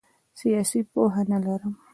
سیاسي پوهه نه لرم.